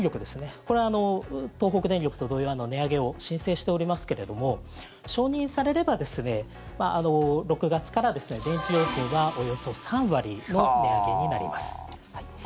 これは東北電力と同様値上げを申請しておりますけれども承認されれば６月から電気料金はおよそ３割の値上げになります。